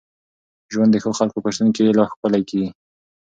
ژوند د ښو خلکو په شتون کي لا ښکلی کېږي.